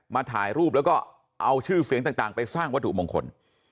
ถ่ายรูปแล้วก็เอาชื่อเสียงต่างไปสร้างวัตถุมงคล